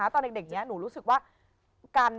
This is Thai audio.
ตอนเด็กนี้หนูรู้สึกว่า